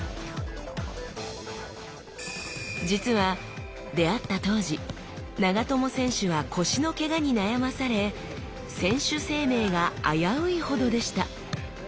実は出会った当時長友選手は腰のケガに悩まされ選手生命が危ういほどでした。